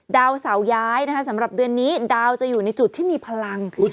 ดาวเสาย้ายนะคะสำหรับเดือนนี้ดาวจะอยู่ในจุดที่มีพลัง